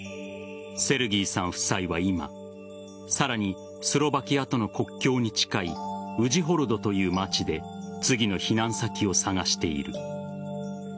セルギーさん夫妻は今さらにスロバキアとの国境に近いウジホロドという街で次の避難先を探している。